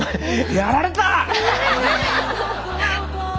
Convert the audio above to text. やられた！